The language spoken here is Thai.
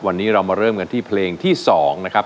วันนี้เรามาเริ่มกันที่เพลงที่๒นะครับ